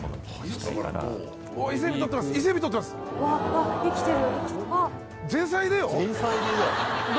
わっ生きてる。